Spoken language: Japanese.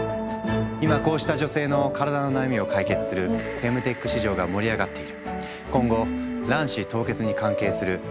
今こうした女性の体の悩みを解決するフェムテック市場が盛り上がっている。